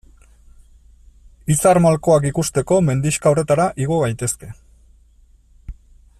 Izar malkoak ikusteko mendixka horretara igo gaitezke.